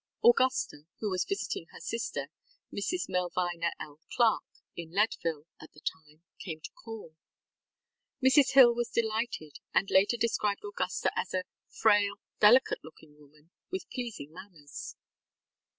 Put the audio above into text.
Augusta, who was visiting her sister, Mrs. Melvina L. Clarke, in Leadville at the time, came to call. Mrs. Hill was delighted and later described Augusta as a ŌĆ£frail, delicate looking woman with pleasing manners.